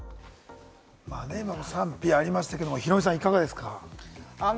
賛否ありましたけれども、ヒロミさん、いかがですか？